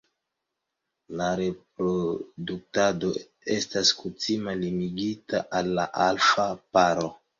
La reproduktado estas kutime limigita al la alfa paro.